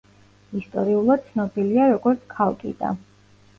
ისტორიულად ცნობილია როგორც ქალკიდა.